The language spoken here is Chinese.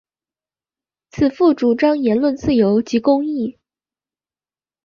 此赋主张言论自由及公义。